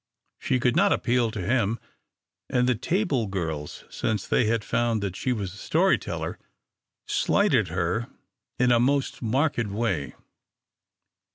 She could not appeal to him, and the table girls, since they had found that she was a story teller, slighted her in a most marked way.